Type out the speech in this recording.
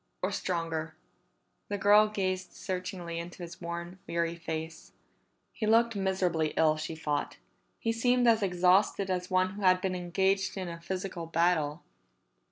Or stronger." The girl gazed searchingly into his worn, weary face. He looked miserably ill, she thought; he seemed as exhausted as one who had been engaged in a physical battle.